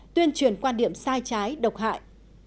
tuyên truyền quan điểm sai trái độc hại